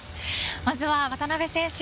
まずは渡辺選手。